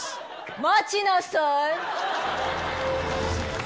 待ちなさい。